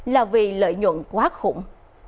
là vì lợi nhuận quá khủng